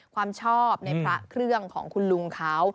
ความชอบในพระเครื่องของคุณลุงเขา